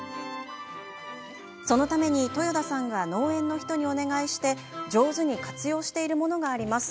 そのために、樋田さんが農園の人にお願いして上手に活用しているものがあります。